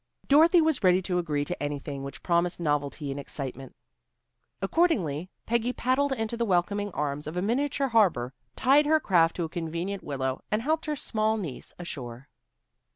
Dorothy was ready to agree to anything which promised novelty and excitement. Accordingly, Peggy paddled into the welcoming arms of a miniature harbor, tied her craft to a convenient willow, and helped her small niece ashore.